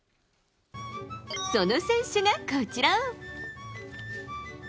その選手がこちら。